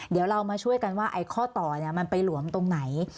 เดี๋ยวเรามาช่วยกันว่าข้อต่อมันไปหลวมตรงไหน